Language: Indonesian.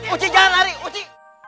uci jangan lari uci